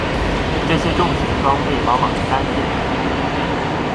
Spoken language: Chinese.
这些重型装备往往是单件设计。